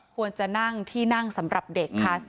ควรจะนั่งที่นั่งสำหรับเด็กค่ะ